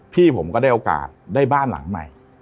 พี่ผมก็ได้โอกาสได้บ้านหลังใหม่